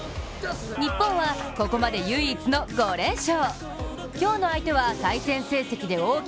日本はここまで唯一の５連勝。